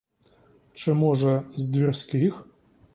Чи, може, з двірських?